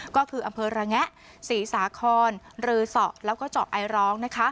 ก็คืออำเภอระแงะศรีสาคอนรือสอแล้วก็เจาะไอร้อง